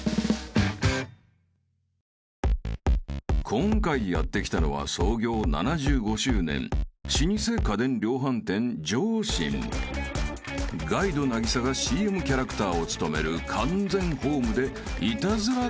［今回やって来たのは創業７５周年老舗家電量販店Ｊｏｓｈｉｎ］［ガイド凪咲がＣＭキャラクターを務める完全ホームでイタズラかけ放題］